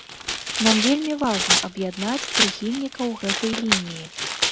Нам вельмі важна аб'яднаць прыхільнікаў гэтай лініі.